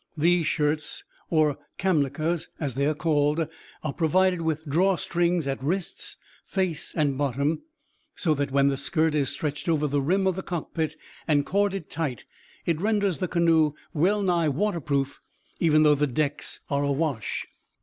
These shirts or kamlikas, as they are called are provided with draw strings at wrists, face, and bottom, so that when the skirt is stretched over the rim of the cockpit and corded tight, it renders the canoe well nigh waterproof, even though the decks are awash.